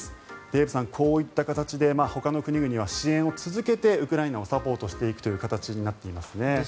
デーブさん、こういった形でほかの国々は支援を続けてウクライナをサポートする形になっていますね。